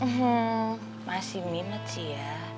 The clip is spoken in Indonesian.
hmm masih minute sih ya